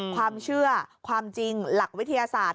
ความเชื่อความจริงหลักวิทยาศาสตร์